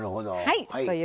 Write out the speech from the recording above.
はい。